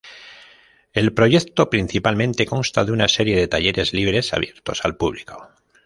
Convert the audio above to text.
El proyecto principalmente consta de una serie de talleres libres abiertos al público.